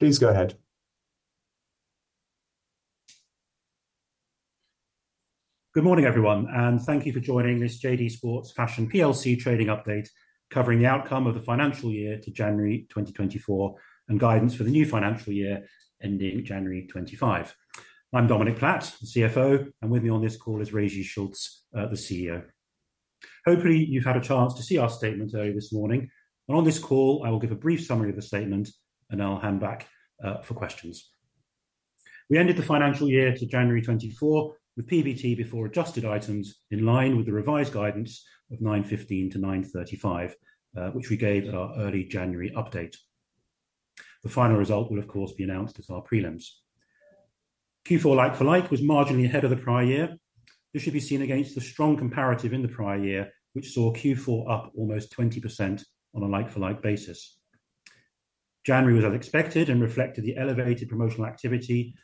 Please go ahead. Good morning, everyone, and thank you for joining this JD Sports Fashion PLC trading update, covering the outcome of the financial year to January 2024, and guidance for the new financial year ending January 2025. I'm Dominic Platt, the CFO, and with me on this call is Régis Schultz, the CEO. Hopefully, you've had a chance to see our statement early this morning, and on this call, I will give a brief summary of the statement, and I'll hand back for questions. We ended the financial year to January 2024 with PBT before adjusted items in line with the revised guidance of 915-935, which we gave at our early January update. The final result will, of course, be announced as our prelims. Q4 like for like was marginally ahead of the prior year. This should be seen against the strong comparative in the prior year, which saw Q4 up almost 20% on a like-for-like basis. January was as expected and reflected the elevated promotional activity,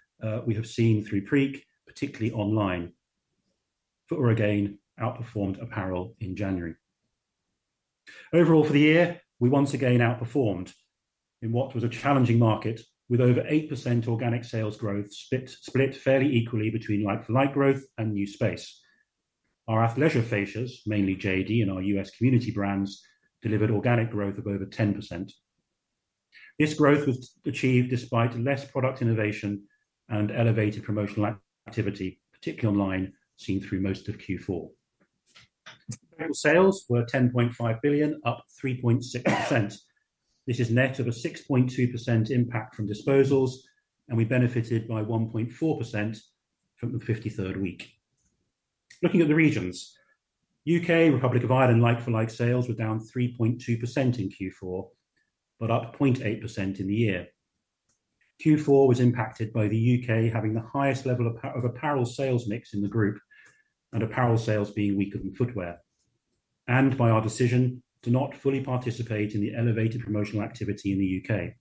we have seen through peak, particularly online. Footwear again outperformed apparel in January. Overall, for the year, we once again outperformed in what was a challenging market with over 8% organic sales growth split fairly equally between like-for-like growth and new space. Our athleisure fascias, mainly JD and our U.S. community brands, delivered organic growth of over 10%. This growth was achieved despite less product innovation and elevated promotional activity, particularly online, seen through most of Q4. Total sales were 10.5 billion, up 3.6%. This is net of a 6.2% impact from disposals, and we benefited by 1.4% from the 53rd week. Looking at the regions, UK, Republic of Ireland, like-for-like sales were down 3.2% in Q4, but up 0.8% in the year. Q4 was impacted by the UK having the highest level of apparel sales mix in the group and apparel sales being weaker than footwear, and by our decision to not fully participate in the elevated promotional activity in the UK.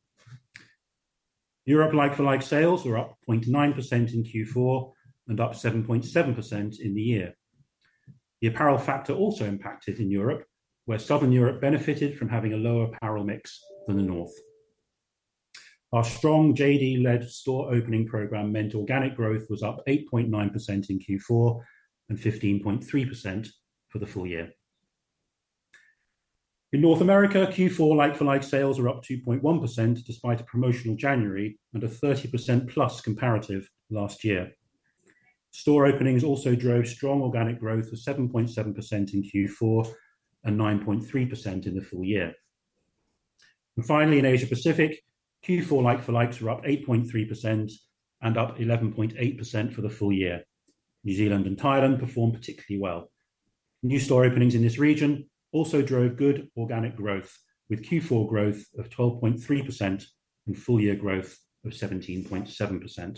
Europe like-for-like sales were up 0.9% in Q4 and up 7.7% in the year. The apparel factor also impacted in Europe, where Southern Europe benefited from having a lower apparel mix than the North. Our strong JD-led store opening program meant organic growth was up 8.9% in Q4 and 15.3% for the full year. In North America, Q4 like-for-like sales are up 2.1%, despite a promotional January and a 30%+ comparative last year. Store openings also drove strong organic growth of 7.7% in Q4 and 9.3% in the full year. Finally, in Asia Pacific, Q4 like-for-like sales were up 8.3% and up 11.8% for the full year. New Zealand and Thailand performed particularly well. New store openings in this region also drove good organic growth, with Q4 growth of 12.3% and full year growth of 17.7%. I'd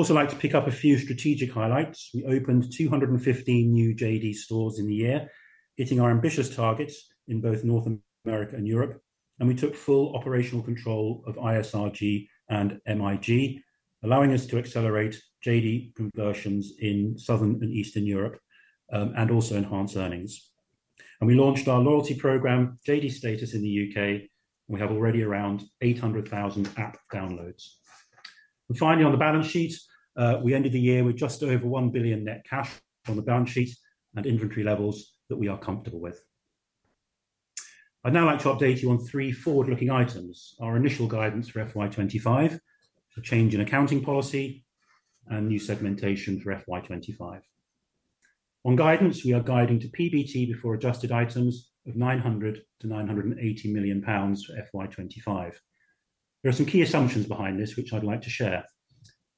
also like to pick up a few strategic highlights. We opened 215 new JD stores in the year, hitting our ambitious targets in both North America and Europe, and we took full operational control of ISRG and MIG, allowing us to accelerate JD conversions in Southern and Eastern Europe, and also enhance earnings. We launched our loyalty program, JD Status, in the UK. We have already around 800,000 app downloads. Finally, on the balance sheet, we ended the year with just over 1 billion net cash on the balance sheet and inventory levels that we are comfortable with. I'd now like to update you on three forward-looking items: our initial guidance for FY 25, a change in accounting policy, and new segmentation for FY 25. On guidance, we are guiding to PBT before adjusted items of 900-980 million pounds for FY 25. There are some key assumptions behind this, which I'd like to share.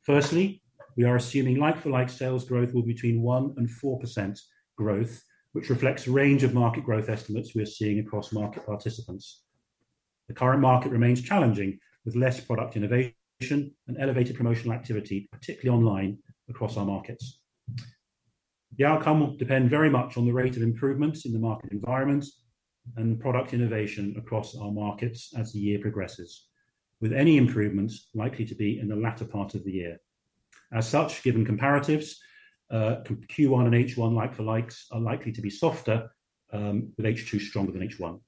Firstly, we are assuming like-for-like sales growth will be between 1% and 4% growth, which reflects a range of market growth estimates we are seeing across market participants. The current market remains challenging, with less product innovation and elevated promotional activity, particularly online across our markets. The outcome will depend very much on the rate of improvements in the market environment and product innovation across our markets as the year progresses, with any improvements likely to be in the latter part of the year. As such, given comparatives, Q1 and H1 like-for-likes are likely to be softer, with H2 stronger than H1.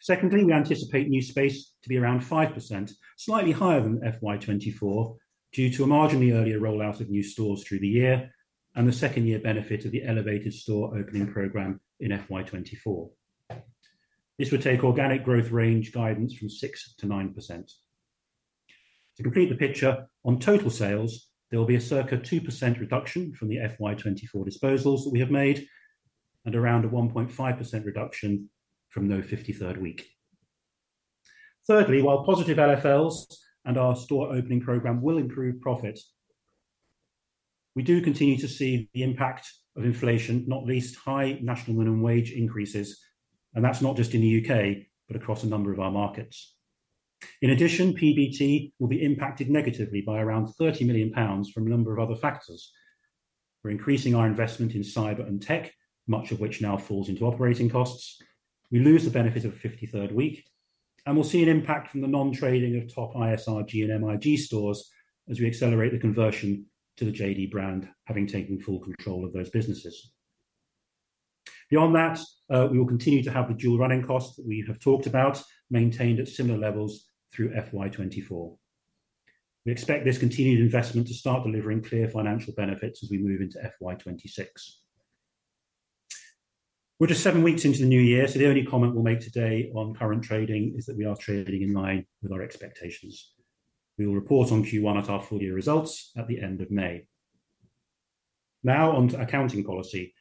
Secondly, we anticipate new space to be around 5%, slightly higher than FY 2024, due to a marginally earlier rollout of new stores through the year and the second year benefit of the elevated store opening program in FY 2024. This would take organic growth range guidance from 6%-9%. To complete the picture on total sales, there will be a circa 2% reduction from the FY 2024 disposals that we have made and around a 1.5% reduction from the 53rd week. Thirdly, while positive LFLs and our store opening program will improve profits, we do continue to see the impact of inflation, not least high national minimum wage increases, and that's not just in the UK, but across a number of our markets. In addition, PBT will be impacted negatively by around 30 million pounds from a number of other factors. We're increasing our investment in cyber and tech, much of which now falls into operating costs. We lose the benefit of a 53rd week, and we'll see an impact from the non-trading of top ISRG and MIG stores as we accelerate the conversion to the JD brand, having taken full control of those businesses. Beyond that, we will continue to have the dual running costs that we have talked about, maintained at similar levels through FY 2024. We expect this continued investment to start delivering clear financial benefits as we move into FY 2026. We're just 7 weeks into the new year, so the only comment we'll make today on current trading is that we are trading in line with our expectations. We will report on Q1 at our full year results at the end of May. Now on to accounting policy.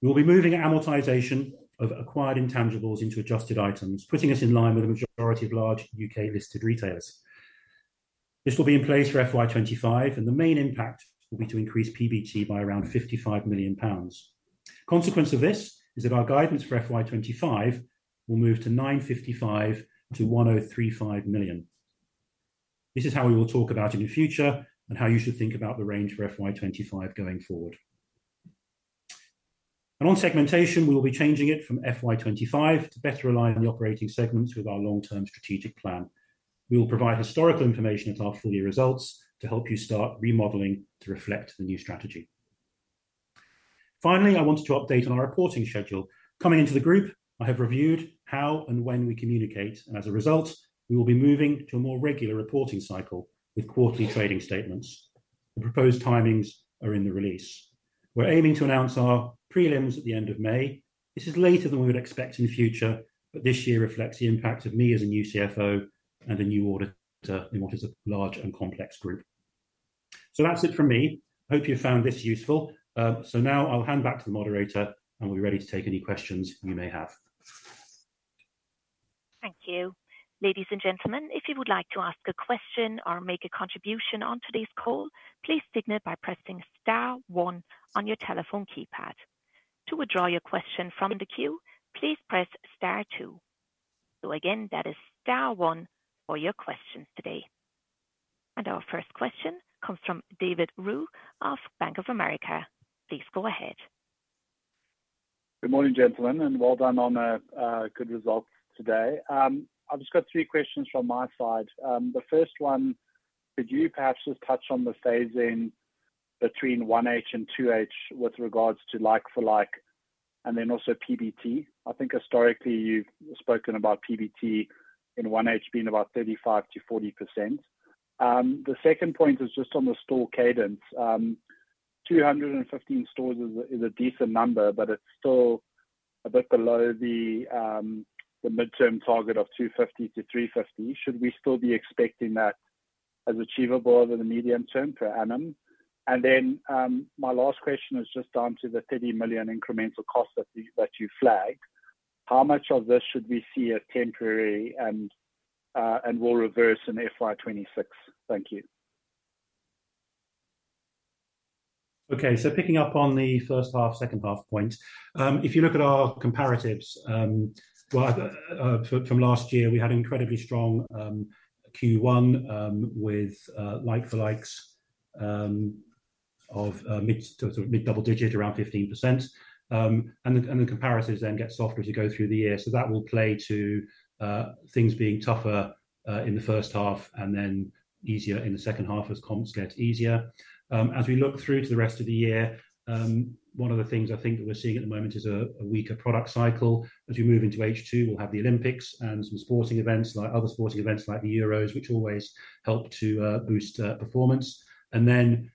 We'll be moving amortization of acquired intangibles into adjusted items, putting us in line with the majority of large U.K. listed retailers. This will be in place for FY 25, and the main impact will be to increase PBT by around 55 million pounds. Consequence of this is that our guidance for FY 25 will move to 955 million-1,035 million. This is how we will talk about in the future and how you should think about the range for FY 25 going forward. And on segmentation, we will be changing it from FY 25 to better align the operating segments with our long-term strategic plan. We will provide historical information at our full year results to help you start remodeling to reflect the new strategy. Finally, I wanted to update on our reporting schedule. Coming into the group, I have reviewed how and when we communicate, and as a result, we will be moving to a more regular reporting cycle with quarterly trading statements. The proposed timings are in the release. We're aiming to announce our prelims at the end of May. This is later than we would expect in the future, but this year reflects the impact of me as a new CFO and a new auditor in what is a large and complex group. So that's it from me. Hope you found this useful. So now I'll hand back to the moderator, and we're ready to take any questions you may have. Thank you. Ladies and gentlemen, if you would like to ask a question or make a contribution on today's call, please signal by pressing star one on your telephone keypad. To withdraw your question from the queue, please press star two. So again, that is star one for your questions today. And our first question comes from David Roux of Bank of America. Please go ahead. Good morning, gentlemen, and well done on a good result today. I've just got three questions from my side. The first one, could you perhaps just touch on the phasing between 1H and 2H with regards to like-for-like, and then also PBT? I think historically you've spoken about PBT in 1H being about 35%-40%. The second point is just on the store cadence. 215 stores is a decent number, but it's still a bit below the midterm target of 250-350. Should we still be expecting that as achievable over the medium term per annum? And then, my last question is just down to the 30 million incremental cost that you flagged. How much of this should we see as temporary and will reverse in FY 26? Thank you. Okay, so picking up on the first half, second half point, if you look at our comparatives, well, from last year, we had incredibly strong Q1 with like for likes of mid- to mid-double-digit, around 15%. And the comparatives then get softer as you go through the year. So that will play to things being tougher in the first half and then easier in the second half as comps get easier. As we look through to the rest of the year, one of the things I think that we're seeing at the moment is a weaker product cycle. As we move into H2, we'll have the Olympics and some sporting events, like other sporting events like the Euros, which always help to boost performance. Then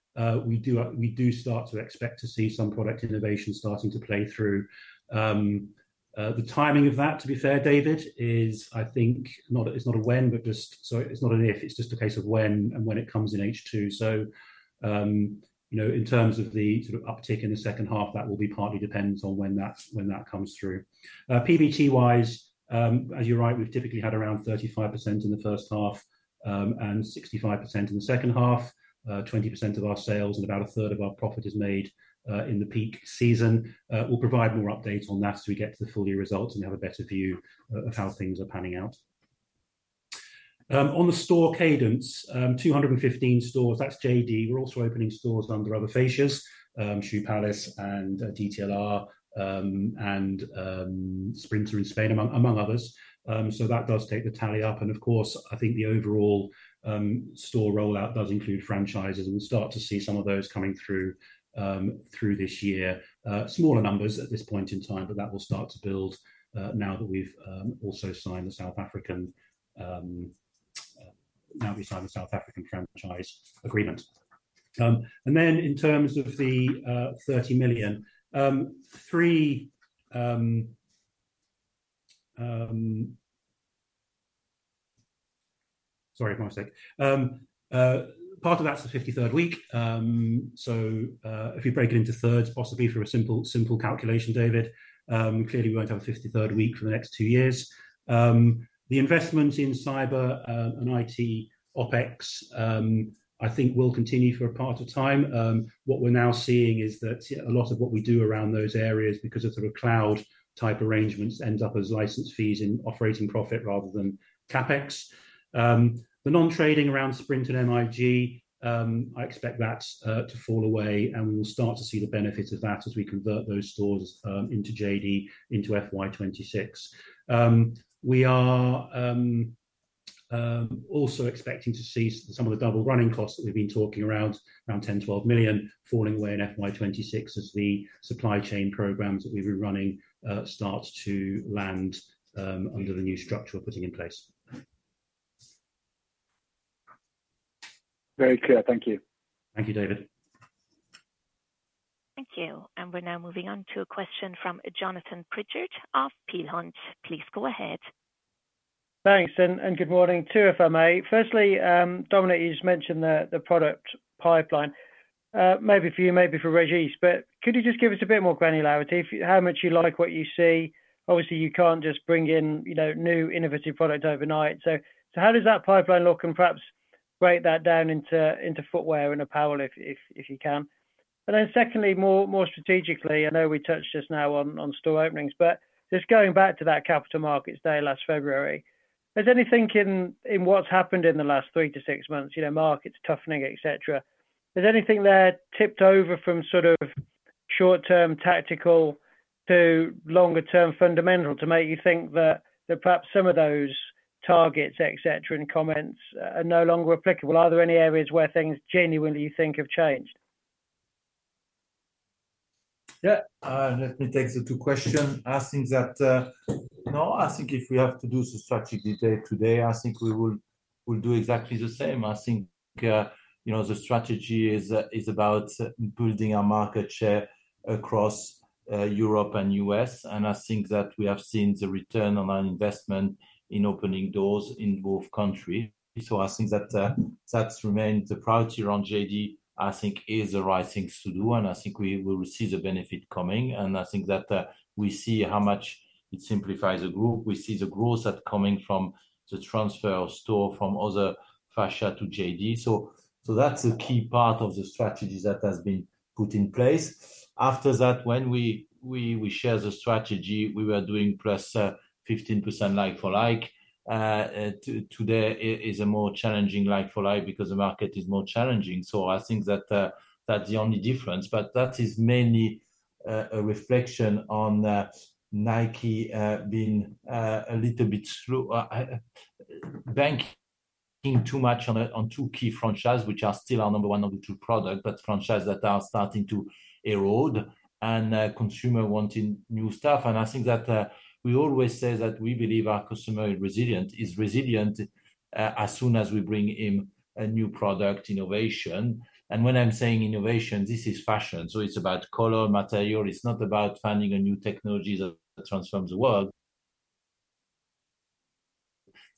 we do start to expect to see some product innovation starting to play through. The timing of that, to be fair, David, is I think not an if, it's just a case of when and when it comes in H2. You know, in terms of the sort of uptick in the second half, that will be partly dependent on when that comes through. PBT wise, as you're right, we've typically had around 35% in the first half, and 65% in the second half. 20% of our sales and about a third of our profit is made in the peak season. We'll provide more updates on that as we get to the full year results and have a better view of how things are panning out. On the store cadence, 215 stores, that's JD. We're also opening stores under other fascias, Shoe Palace and DTLR, and Sprinter in Spain, among others. So that does take the tally up. And of course, I think the overall store rollout does include franchises, and we'll start to see some of those coming through through this year. Smaller numbers at this point in time, but that will start to build now that we've also signed the South African franchise agreement. And then in terms of the GBP 30 million, three... Sorry for one sec. Part of that's the 53rd week. So, if you break it into thirds, possibly for a simple, simple calculation, David, clearly, we won't have a 53rd week for the next two years. The investment in cyber, and IT OpEx, I think will continue for a part of time. What we're now seeing is that a lot of what we do around those areas, because of sort of cloud type arrangements, ends up as license fees in operating profit rather than CapEx. The non-trading around Sprinter and MIG, I expect that, to fall away, and we will start to see the benefits of that as we convert those stores, into JD, into FY 2026. We are... Also expecting to see some of the double running costs that we've been talking around, around 10-12 million falling away in FY 2026 as the supply chain programs that we've been running start to land under the new structure we're putting in place. Very clear. Thank you. Thank you, David. Thank you. We're now moving on to a question from Jonathan Pritchard of Peel Hunt. Please go ahead. Thanks, and good morning to you, if I may. Firstly, Dominic, you just mentioned the product pipeline. Maybe for you, maybe for Régis, but could you just give us a bit more granularity? How much you like what you see. Obviously, you can't just bring in, you know, new innovative product overnight. How does that pipeline look? And perhaps break that down into footwear and apparel if you can. But then, secondly, more strategically, I know we touched just now on store openings, but just going back to that Capital Markets Day last February, is there anything in what's happened in the last three to six months, you know, markets toughening, et cetera, is there anything there tipped over from sort of short-term tactical to longer-term fundamental to make you think that perhaps some of those targets, et cetera, and comments are no longer applicable? Are there any areas where things genuinely you think have changed? Yeah. Let me take the two question. I think that, no, I think if we have to do the strategy today, I think we will, we'll do exactly the same. I think, you know, the strategy is, is about building our market share across, Europe and US, and I think that we have seen the return on our investment in opening doors in both country. So I think that, that remains the priority around JD, I think is the right thing to do, and I think we will see the benefit coming. And I think that, we see how much it simplifies the group. We see the growth that coming from the transfer of store from other fascia to JD. So, so that's a key part of the strategy that has been put in place. After that, when we share the strategy, we were doing plus 15% like for like. Today is a more challenging like for like because the market is more challenging. So I think that that's the only difference, but that is mainly a reflection on Nike being a little bit slow, banking too much on two key franchises, which are still our number one, number two product, but franchises that are starting to erode and consumer wanting new stuff. And I think that we always say that we believe our customer is resilient as soon as we bring in a new product innovation. And when I'm saying innovation, this is fashion, so it's about color, material. It's not about finding a new technologies that transforms the world.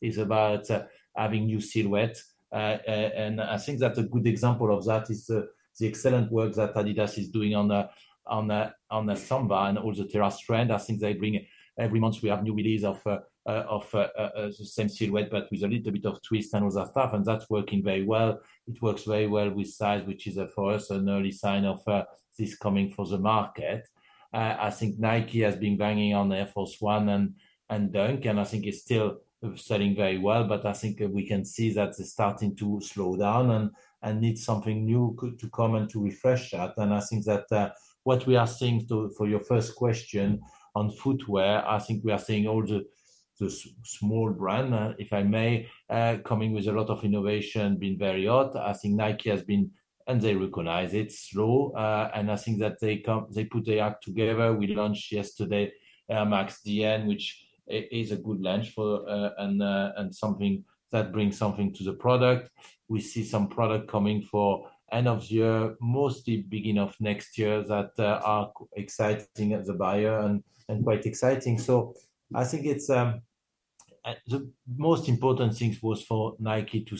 It's about having new silhouette. And I think that a good example of that is the excellent work that adidas is doing on the Samba and all the terrace trend. I think they bring it every month we have new release of the same silhouette, but with a little bit of twist and all that stuff, and that's working very well. It works very well with size?, which is for us, an early sign of this coming for the market. I think Nike has been banging on the Air Force 1 and Dunk, and I think it's still selling very well. But I think we can see that it's starting to slow down and need something new to come and to refresh that. And I think that what we are seeing to... For your first question on footwear, I think we are seeing all the small brand, if I may, coming with a lot of innovation, been very hot. I think Nike has been, and they recognize it, slow, and I think that they put their act together. We launched yesterday, Max Dn, which is a good launch for, and, and something that brings something to the product. We see some product coming for end of year, mostly beginning of next year, that are exciting as a buyer and quite exciting. So I think it's the most important thing was for Nike to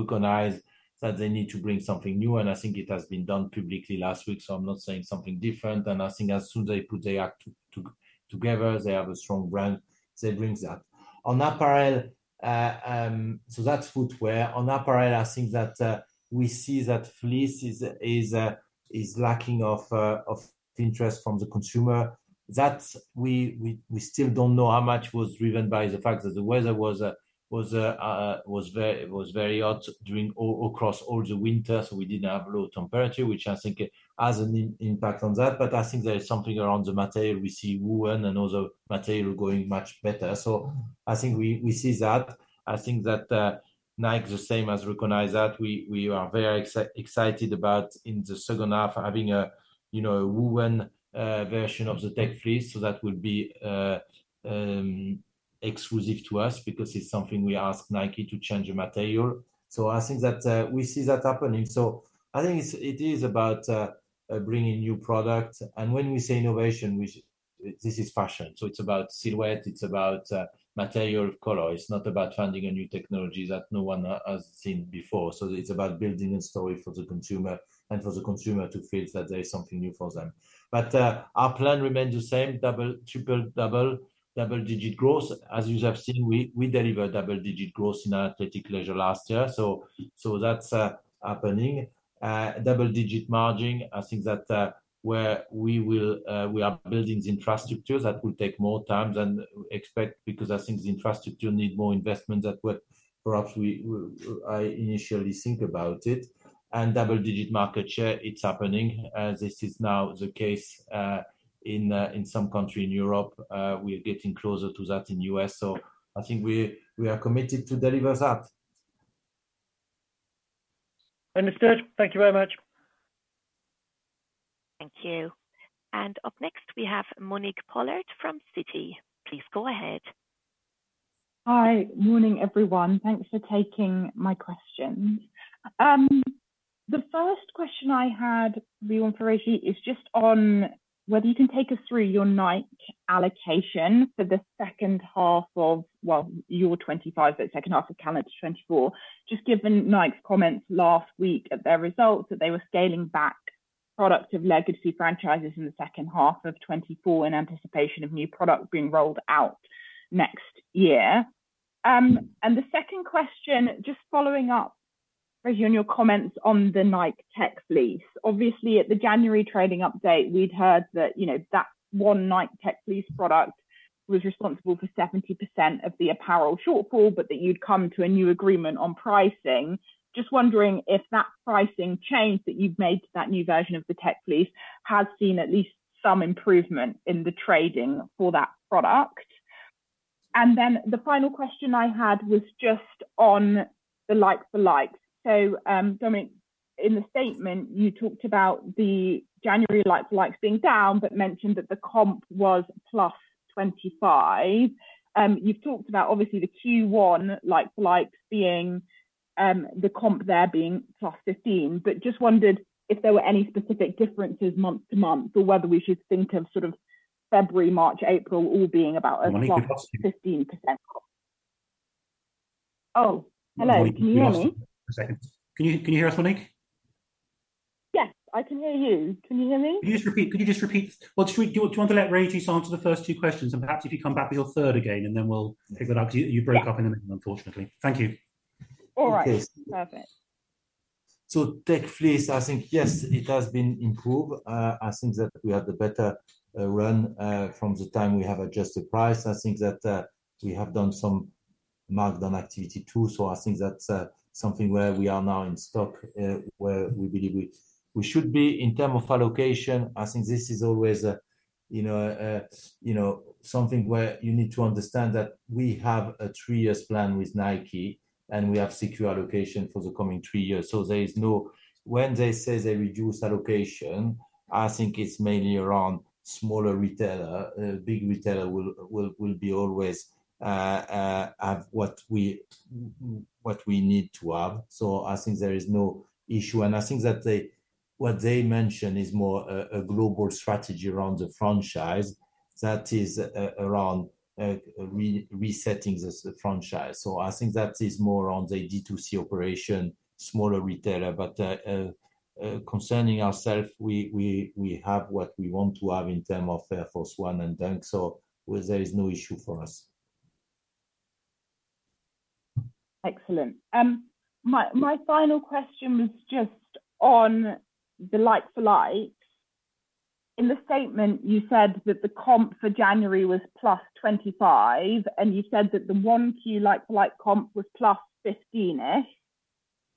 recognize that they need to bring something new, and I think it has been done publicly last week, so I'm not saying something different. I think as soon as they put their act together, they have a strong brand that brings that. On apparel, so that's footwear. On apparel, I think that we see that fleece is lacking of interest from the consumer. That we still don't know how much was driven by the fact that the weather was very hot during all, across all the winter, so we didn't have low temperature, which I think has an impact on that. But I think there is something around the material. We see woven and other material going much better. So I think we see that. I think that Nike, the same, has recognized that. We are very excited about in the second half, having a, you know, a woven version of the Tech Fleece. So that would be exclusive to us because it's something we ask Nike to change the material. So I think that we see that happening. So I think it's, it is about bringing new product. And when we say innovation, we... This is fashion, so it's about silhouette, it's about material, color. It's not about finding a new technology that no one has seen before. So it's about building a story for the consumer and for the consumer to feel that there is something new for them. But our plan remains the same, double, triple, double, double-digit growth. As you have seen, we deliver double-digit growth in our athletic leisure last year. So that's happening. Double-digit margin, I think that where we will, we are building the infrastructure that will take more time than expect, because I think the infrastructure need more investment than what perhaps we, I initially think about it. Double-digit market share, it's happening, this is now the case in some country in Europe. We are getting closer to that in U.S. So I think we, we are committed to deliver that.... Understood. Thank you very much. Thank you. Up next, we have Monique Pollard from Citi. Please go ahead. Hi. Morning, everyone. Thanks for taking my questions. The first question I had, Leon, for Régis, is just on whether you can take us through your Nike allocation for the second half of, well, your 25, the second half of calendar 2024. Just given Nike's comments last week at their results, that they were scaling back products of legacy franchises in the second half of 2024 in anticipation of new product being rolled out next year. And the second question, just following up, Régis, on your comments on the Nike Tech Fleece. Obviously, at the January trading update, we'd heard that, you know, that one Nike Tech Fleece product was responsible for 70% of the apparel shortfall, but that you'd come to a new agreement on pricing. Just wondering if that pricing change that you've made to that new version of the Tech Fleece has seen at least some improvement in the trading for that product? And then the final question I had was just on the like-for-likes. So, in the statement, you talked about the January like-for-likes being down, but mentioned that the comp was +25. You've talked about obviously the Q1 like-for-likes being, the comp there being +15, but just wondered if there were any specific differences month to month, or whether we should think of sort of February, March, April all being about a +15% comp. Oh, hello. Can you hear me? One second. Can you, can you hear us, Monique? Yes, I can hear you. Can you hear me? Could you just repeat? Could you just repeat? Well, should we, do you want to let Régis answer the first two questions, and perhaps if you come back with your third again, and then we'll pick that up. You broke up in the middle, unfortunately. Thank you. All right. Okay. Perfect. So Tech Fleece, I think, yes, it has been improved. I think that we had the better run from the time we have adjusted price. I think that we have done some markdown activity too, so I think that's something where we are now in stock where we believe we should be. In terms of allocation, I think this is always a, you know, something where you need to understand that we have a three-year plan with Nike, and we have secure allocation for the coming three years. So there is no... When they say they reduce allocation, I think it's mainly around smaller retailer. Big retailer will be always have what we need to have. So I think there is no issue. I think that they, what they mention is more a global strategy around the franchise. That is, around resetting the franchise. So I think that is more on the D2C operation, smaller retailer. But concerning ourselves, we have what we want to have in terms of Air Force 1 and Dunk. So there is no issue for us. Excellent. My, my final question was just on the like-for-like. In the statement, you said that the comp for January was +25%, and you said that the 1Q like-for-like comp was +15-ish%.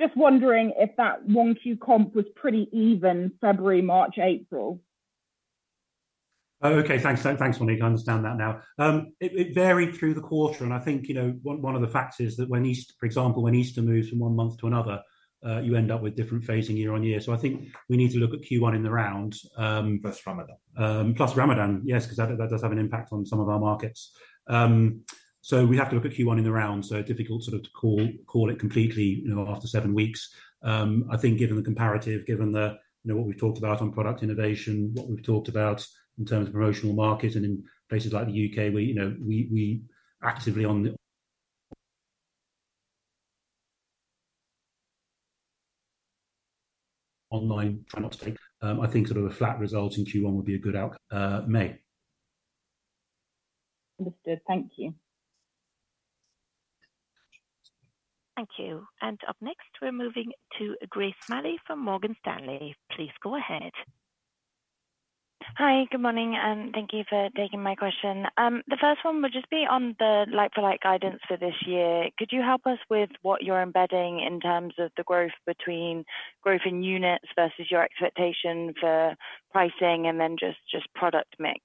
Just wondering if that 1Q comp was pretty even February, March, April? Oh, okay, thanks. Thanks, Monique. I understand that now. It varied through the quarter, and I think, you know, one of the facts is that, for example, when Easter moves from one month to another, you end up with different phasing year-on-year. So I think we need to look at Q1 in the round. Plus Ramadan. Plus Ramadan, yes, because that does have an impact on some of our markets. So we have to look at Q1 in the round, so difficult sort of to call it completely, you know, after seven weeks. I think given the comparative, given the, you know, what we've talked about on product innovation, what we've talked about in terms of promotional market, and in places like the UK, where, you know, we actively on the online, try not to take, I think sort of a flat result in Q1 would be a good out, May. Understood. Thank you. Thank you. Up next, we're moving to Grace Smalley from Morgan Stanley. Please go ahead. Hi, good morning, and thank you for taking my question. The first one would just be on the like-for-like guidance for this year. Could you help us with what you're embedding in terms of the growth between growth in units versus your expectation for pricing and then just product mix,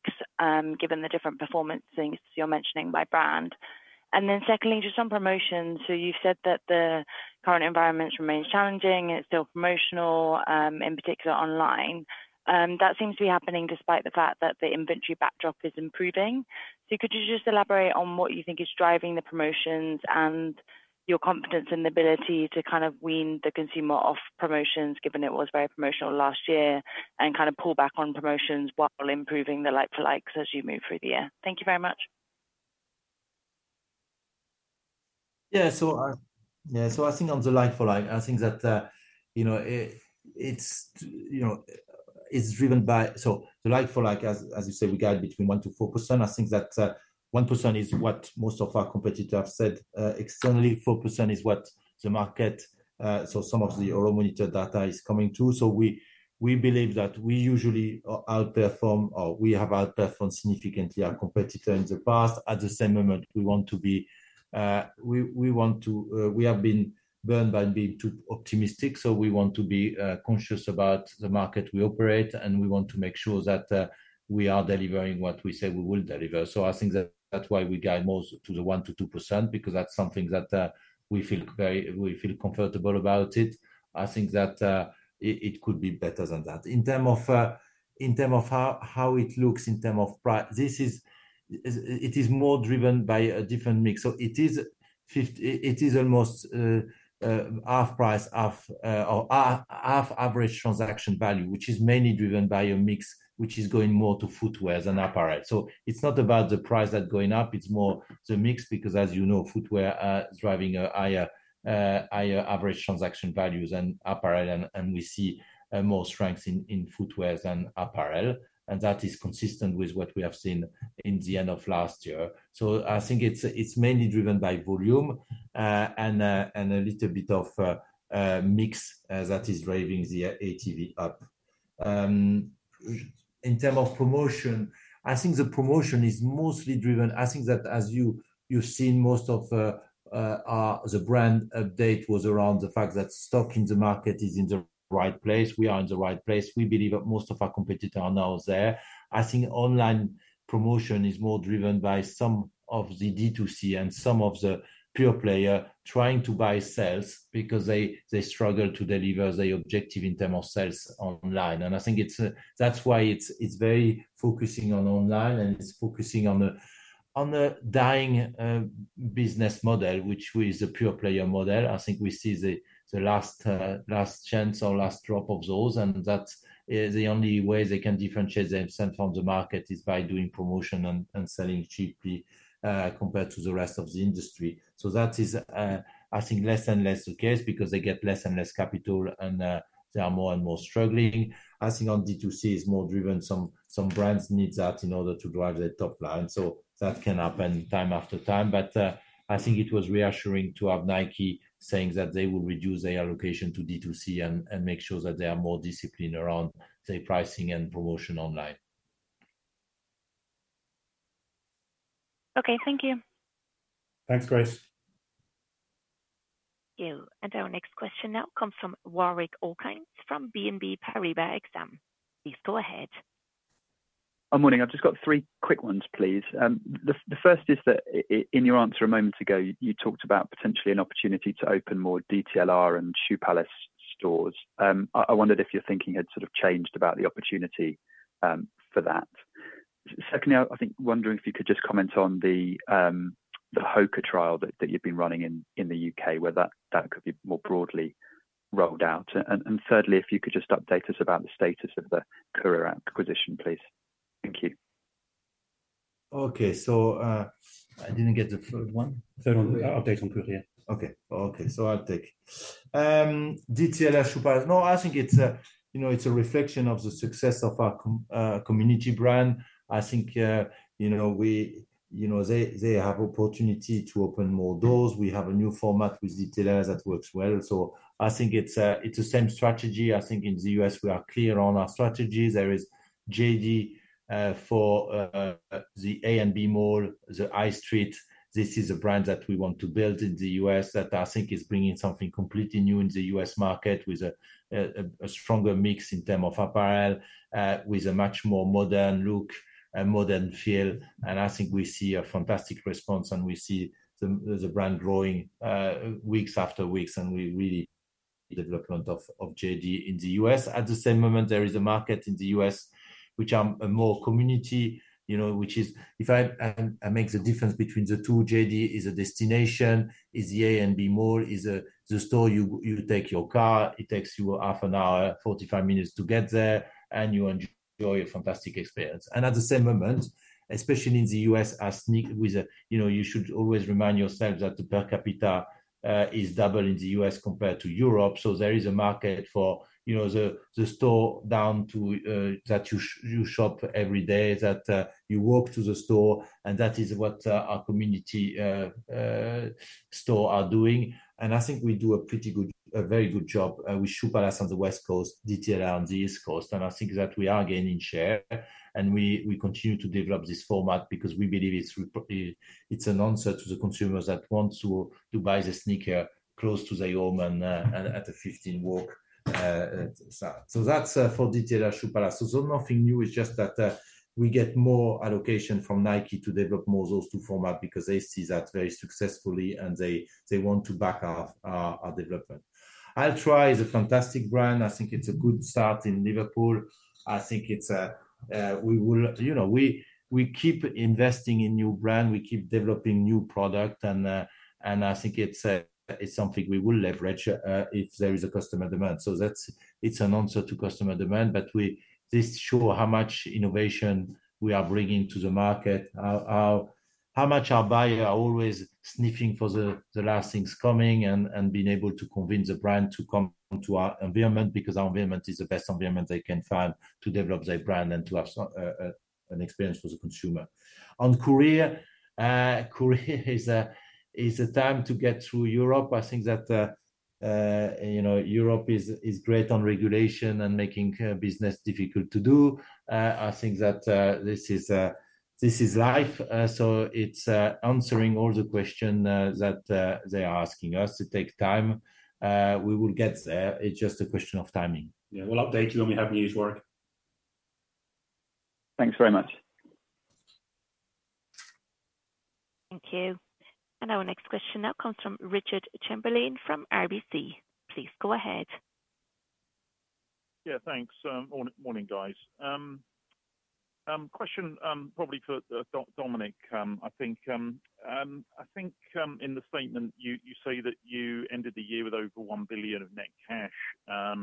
given the different performance things you're mentioning by brand? And then secondly, just on promotions. So you've said that the current environment remains challenging, it's still promotional, in particular online. That seems to be happening despite the fact that the inventory backdrop is improving. Could you just elaborate on what you think is driving the promotions and your confidence in the ability to kind of wean the consumer off promotions, given it was very promotional last year, and kind of pull back on promotions while improving the like-for-likes as you move through the year? Thank you very much. Yeah, so, yeah, so I think on the like-for-like, I think that, you know, it, it's, you know is driven by, so the like-for-like, as, as you say, we guide between 1%-4%, I think that, 1% is what most of our competitors have said. Externally, 4% is what the market, so some of the Euromonitor data is coming to. So we, we believe that we usually outperform, or we have outperformed significantly our competitor in the past. At the same moment, we want to be... we, we want to, we have been burned by being too optimistic, so we want to be, conscious about the market we operate, and we want to make sure that, we are delivering what we say we will deliver. So I think that's why we guide most to the 1%-2%, because that's something that we feel very comfortable about it. I think that it could be better than that. In terms of how it looks, in terms of price, this is, it is more driven by a different mix. So it is almost half price, half average transaction value, which is mainly driven by a mix, which is going more to footwear than apparel. So it's not about the price that going up, it's more the mix, because as you know, footwear is driving a higher, higher average transaction values than apparel, and, and we see more strengths in footwear than apparel, and that is consistent with what we have seen in the end of last year. So I think it's, it's mainly driven by volume, and, and a little bit of mix that is driving the ATV up. In terms of promotion, I think the promotion is mostly driven... I think that as you've seen most of our brand update was around the fact that stock in the market is in the right place. We are in the right place. We believe that most of our competitors are now there. I think online promotion is more driven by some of the D2C and some of the pure player trying to buy sales because they, they struggle to deliver their objective in term of sales online. And I think it's, that's why it's, it's very focusing on online, and it's focusing on the, on the dying, business model, which was a pure player model. I think we see the, the last, last chance or last drop of those, and that is the only way they can differentiate themselves from the market, is by doing promotion and, and selling cheaply, compared to the rest of the industry. So that is, I think, less and less the case because they get less and less capital, and, they are more and more struggling. I think on D2C is more driven, some brands need that in order to drive their top line, so that can happen time after time. But, I think it was reassuring to have Nike saying that they will reduce their allocation to D2C and make sure that they are more disciplined around their pricing and promotion online. Okay, thank you. Thanks, Grace. Our next question now comes from Warwick Okines from BNP Paribas Exane. Please go ahead. Good morning. I've just got three quick ones, please. The first is that in your answer a moment ago, you talked about potentially an opportunity to open more DTLR and Shoe Palace stores. I wondered if your thinking had sort of changed about the opportunity for that. Secondly, wondering if you could just comment on the HOKA trial that you've been running in the UK, whether that could be more broadly rolled out. Thirdly, if you could just update us about the status of the Courir acquisition, please. Thank you. Okay. So, I didn't get the third one. Third one, update on Courir. Okay. Okay, so I'll take. DTLR, Shoe Palace. No, I think it's a, you know, it's a reflection of the success of our community brand. I think, you know, we, you know, they, they have opportunity to open more doors. We have a new format with DTLR that works well. So I think it's, it's the same strategy. I think in the US, we are clear on our strategy. There is JD, for, the A and B mall, the High Street. This is a brand that we want to build in the US, that I think is bringing something completely new in the US market, with a, a stronger mix in terms of apparel, with a much more modern look and modern feel. I think we see a fantastic response, and we see the brand growing weeks after weeks, and we really development of JD in the US. At the same moment, there is a market in the US, which are a more community, you know, which is. If I make the difference between the two, JD is a destination, is the A and B mall, is the store you take your car, it takes you half an hour, 45 minutes to get there, and you enjoy a fantastic experience. At the same moment, especially in the US, as sneaker with a, you know, you should always remind yourself that the per capita is double in the US compared to Europe. So there is a market for, you know, the store downtown that you shop every day, that you walk to the store, and that is what our community store are doing. And I think we do a pretty good, a very good job with Shoe Palace on the West Coast, DTLR on the East Coast, and I think that we are gaining share, and we continue to develop this format because we believe it's an answer to the consumers that want to buy the sneaker close to their home and at a 15 walk, so. So that's for DTLR, Shoe Palace. So nothing new, it's just that we get more allocation from Nike to develop more those two format, because they see that very successfully, and they want to back our development. Hoka is a fantastic brand. I think it's a good start in Liverpool. I think it's... You know, we keep investing in new brand, we keep developing new product, and I think it's something we will leverage if there is a customer demand. So that's- it's an answer to customer demand, but we- this show how much innovation we are bringing to the market, how... How much our buyer are always sniffing for the, the last things coming and, and being able to convince the brand to come to our environment, because our environment is the best environment they can find to develop their brand and to have an experience for the consumer. On Courir, Courir is a, is a time to get through Europe. I think that, you know, Europe is, is great on regulation and making business difficult to do. I think that, this is, this is life. So it's answering all the question that they are asking us. It take time. We will get there. It's just a question of timing. Yeah. We'll update you when we have news, Warwick. Thanks very much. Thank you. Our next question now comes from Richard Chamberlain from RBC. Please go ahead. Yeah, thanks. Morning, morning, guys. Question, probably for Dominic. I think, in the statement, you say that you ended the year with over 1 billion of net cash.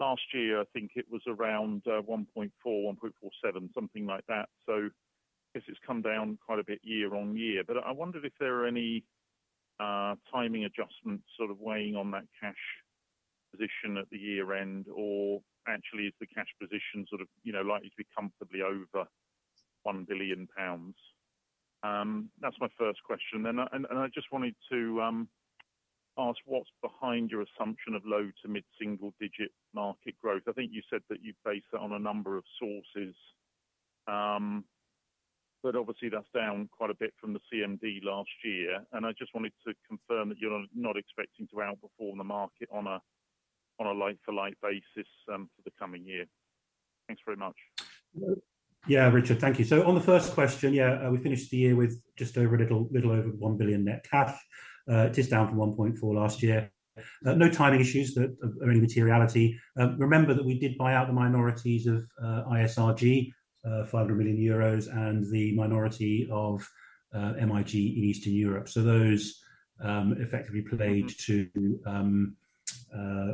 Last year, I think it was around 1.4, 1.47 billion. So I guess it's come down quite a bit year-on-year. But I wondered if there are any timing adjustments sort of weighing on that cash position at the year-end, or actually, is the cash position sort of, you know, likely to be comfortably over 1 billion pounds? That's my first question. Then I just wanted to ask what's behind your assumption of low- to mid-single-digit market growth. I think you said that you base it on a number of sources. But obviously, that's down quite a bit from the CMD last year, and I just wanted to confirm that you're not expecting to outperform the market on a like-for-like basis for the coming year. Thanks very much. Yeah, Richard, thank you. So on the first question, yeah, we finished the year with just over a little, little over 1 billion net cash, just down from 1.4 billion last year. No timing issues that, of any materiality. Remember that we did buy out the minorities of ISRG, 500 million euros, and the minority of MIG in Eastern Europe. So those effectively played to, you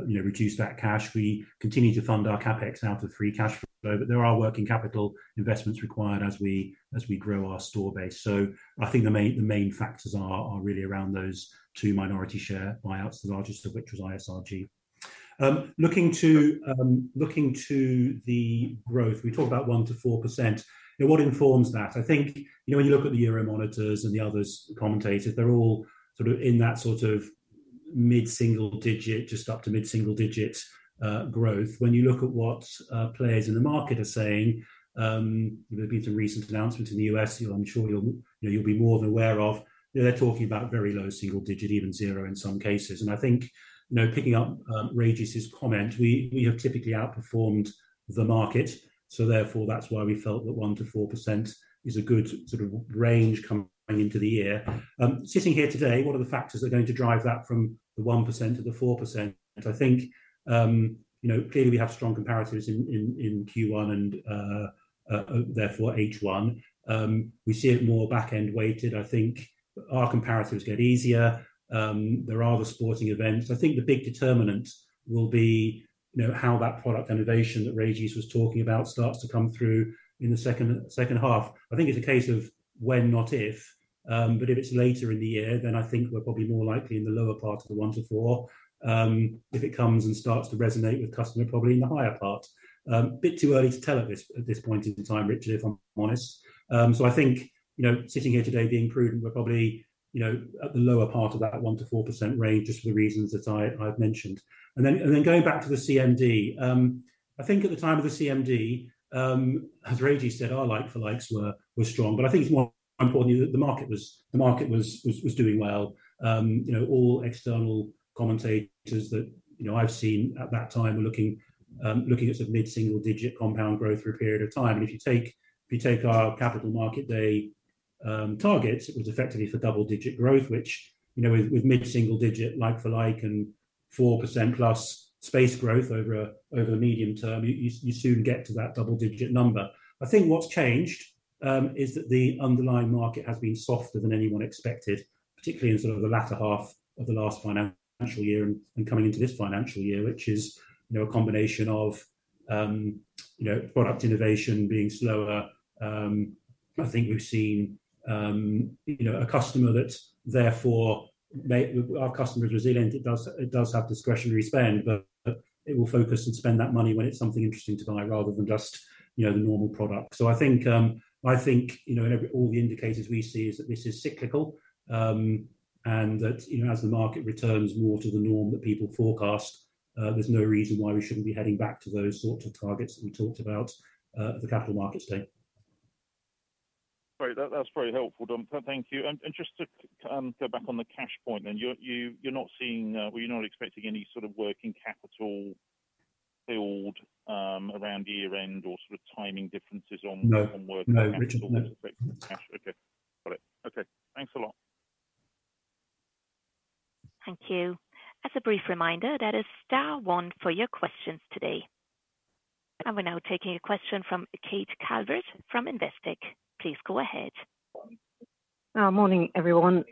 know, reduce that cash. We continue to fund our CapEx out of free cash flow, but there are working capital investments required as we grow our store base. So I think the main, the main factors are really around those two minority share buyouts, the largest of which was ISRG. Looking to the growth, we talked about 1%-4%, and what informs that? I think, you know, when you look at the Euromonitor and the other commentators, they're all sort of in that sort of mid-single digit, just up to mid-single digit growth. When you look at what players in the market are saying, there's been some recent announcements in the US, who I'm sure you'll, you know, you'll be more than aware of, they're talking about very low single digit, even zero in some cases. And I think, you know, picking up Régis' comment, we, we have typically outperformed the market, so therefore, that's why we felt that 1%-4% is a good sort of range coming into the year. Sitting here today, what are the factors that are going to drive that from the 1% to the 4%? I think, you know, clearly, we have strong comparatives in Q1 and therefore H1. We see it more back-end weighted. I think our comparatives get easier. There are the sporting events. I think the big determinant will be, you know, how that product innovation that Régis was talking about starts to come through in the second half. I think it's a case of when, not if. But if it's later in the year, then I think we're probably more likely in the lower part of the 1-4. If it comes and starts to resonate with customer, probably in the higher part. Bit too early to tell at this point in time, Richard, if I'm honest. So I think, you know, sitting here today being prudent, we're probably, you know, at the lower part of that 1%-4% range, just for the reasons that I, I've mentioned. And then going back to the CMD, I think at the time of the CMD, as Régis said, our like-for-likes were strong, but I think it's more importantly, the market was doing well. You know, all external commentators that, you know, I've seen at that time were looking at sort of mid-single digit compound growth through a period of time. If you take our capital market day targets, it was effectively for double-digit growth, which, you know, with mid-single digit like-for-like, and 4% plus space growth over a medium term, you soon get to that double-digit number. I think what's changed is that the underlying market has been softer than anyone expected, particularly in sort of the latter half of the last financial year and coming into this financial year, which is, you know, a combination of product innovation being slower. I think we've seen a customer that therefore may—our customer is resilient. It does have discretionary spend, but it will focus and spend that money when it's something interesting to buy rather than just, you know, the normal product. So I think, you know, in every all the indicators we see is that this is cyclical, and that, you know, as the market returns more to the norm that people forecast, there's no reason why we shouldn't be heading back to those sorts of targets that we talked about, at the Capital Markets Day. Great. That's very helpful, Dom. Thank you. And just to go back on the cash point then, you're not seeing or you're not expecting any sort of working capital build around year-end or sort of timing differences on- No. -working capital? No, Richard, no. Okay, got it. Okay, thanks a lot. Thank you. As a brief reminder, that is star one for your questions today. We're now taking a question from Kate Calvert from Investec. Please go ahead. Morning, everyone.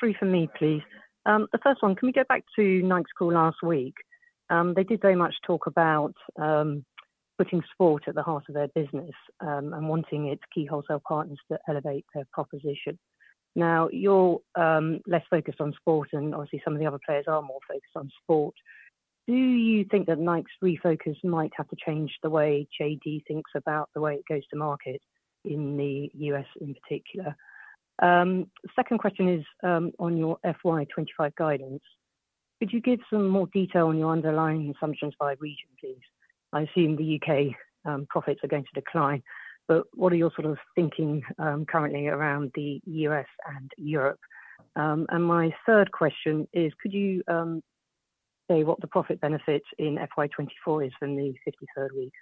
Three for me, please. The first one, can we go back to Nike's call last week? They did very much talk about putting sport at the heart of their business and wanting its key wholesale partners to elevate their proposition. Now, you're less focused on sport, and obviously, some of the other players are more focused on sport. Do you think that Nike's refocus might have to change the way JD thinks about the way it goes to market in the U.S. in particular? Second question is on your FY 25 guidance. Could you give some more detail on your underlying assumptions by region, please? I assume the U.K. profits are going to decline, but what are your sort of thinking currently around the U.S. and Europe? My third question is, could you say what the profit benefit in FY 2024 is from the 53rd week?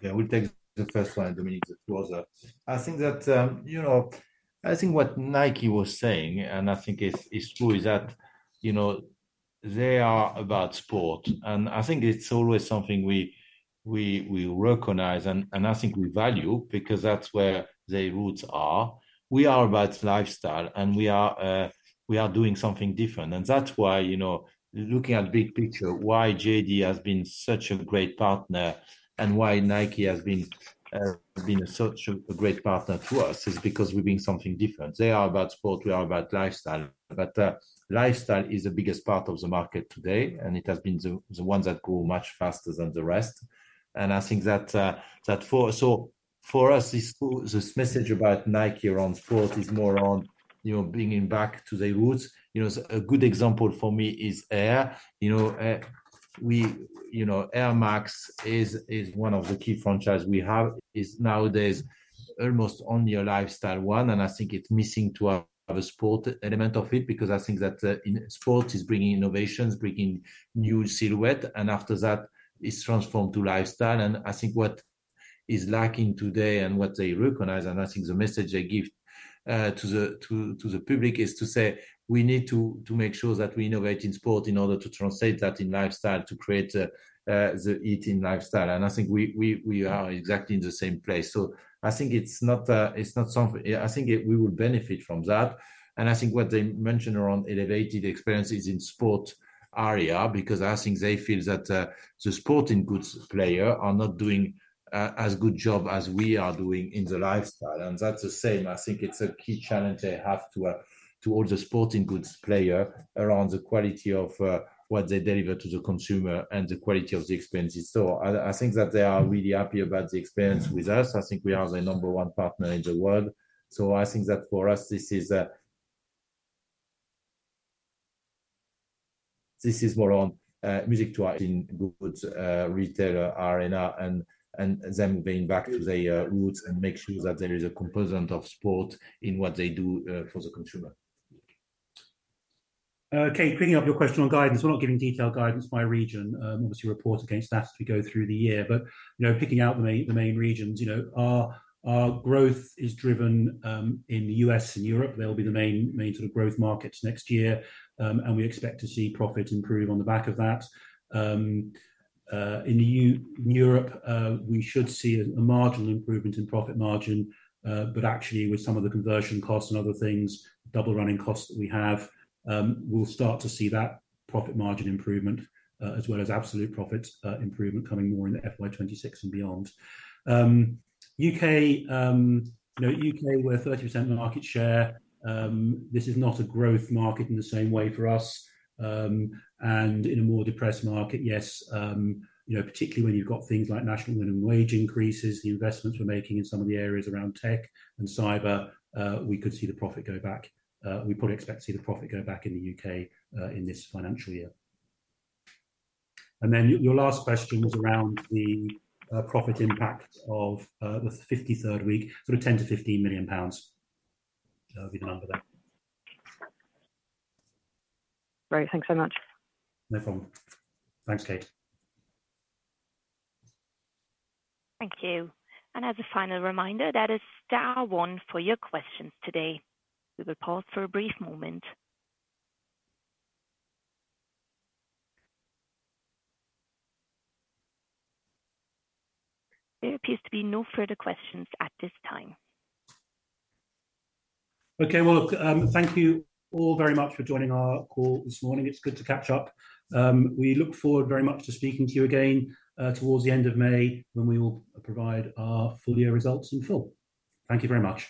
Thanks so much. Okay, I will take the first one, Dominic, the closer. I think that, you know, I think what Nike was saying, and I think it's true, is that, you know, they are about sport, and I think it's always something we recognize, and I think we value, because that's where their roots are. We are about lifestyle, and we are doing something different. And that's why, you know, looking at big picture, why JD has been such a great partner and why Nike has been such a great partner to us, is because we bring something different. They are about sport, we are about lifestyle, but lifestyle is the biggest part of the market today, and it has been the one that grow much faster than the rest. And I think that for... So for us, this message about Nike around sport is more around, you know, bringing back to their roots. You know, a good example for me is Air. You know, we, you know, Air Max is, is one of the key franchises we have, is nowadays almost only a lifestyle one, and I think it's missing to have a sport element of it, because I think that, sport is bringing innovations, bringing new silhouette, and after that, it's transformed to lifestyle. And I think what is lacking today and what they recognize, and I think the message they give, to the, to, to the public, is to say, "We need to make sure that we innovate in sport in order to translate that in lifestyle, to create, the it in lifestyle." And I think we are exactly in the same place. So I think it's not something. I think we will benefit from that. I think what they mentioned around elevated experiences in sport area, because I think they feel that the sporting goods players are not doing as good a job as we are doing in the lifestyle, and that's the same. I think it's a key challenge they have to all the sporting goods players around the quality of what they deliver to the consumer and the quality of the experiences. I think that they are really happy about the experience with us. I think we are the number one partner in the world. So I think that for us, this is music to our ears in the goods retailer arena and them going back to their roots and make sure that there is a component of sport in what they do for the consumer. Kate, picking up your question on guidance, we're not giving detailed guidance by region. Obviously, report against that as we go through the year, but, you know, picking out the main regions, you know, our growth is driven in the U.S. and Europe. They'll be the main sort of growth markets next year, and we expect to see profit improve on the back of that. In Europe, we should see a marginal improvement in profit margin, but actually, with some of the conversion costs and other things, double running costs that we have, we'll start to see that profit margin improvement, as well as absolute profit improvement coming more in the FY 2026 and beyond. U.K., you know, U.K., we're 30% market share. This is not a growth market in the same way for us. And in a more depressed market, yes, you know, particularly when you've got things like national minimum wage increases, the investments we're making in some of the areas around tech and cyber, we could see the profit go back. We probably expect to see the profit go back in the UK, in this financial year. And then your last question was around the, profit impact of, the 53rd week, sort of 10 million-15 million pounds. That would be the number there. Great. Thanks so much. No problem. Thanks, Kate. Thank you. As a final reminder, that is star one for your questions today. We will pause for a brief moment. There appears to be no further questions at this time. Okay. Well, look, thank you all very much for joining our call this morning. It's good to catch up. We look forward very much to speaking to you again, towards the end of May, when we will provide our full year results in full. Thank you very much.